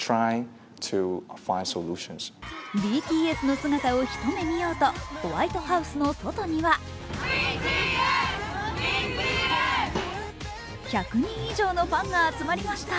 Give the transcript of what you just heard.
ＢＴＳの姿をひと目見ようと、ホワイトハウスの外には１００人以上のファンが集まりました。